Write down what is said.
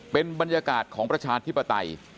เป็นบรรยากาศของประชาธิปไตย